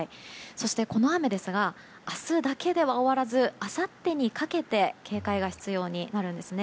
そして、この雨ですが明日だけでは終わらずあさってにかけて警戒が必要になるんですね。